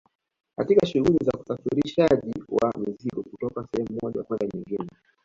katika shughuli za usafirishaji wa mizigo kutoka sehemu moja kwenda nyingine